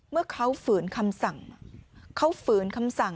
เมื่อเขาฝืนคำสั่งเขาฝืนคำสั่ง